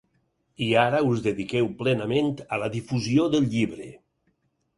I ara us dediqueu plenament a la difusió del llibre.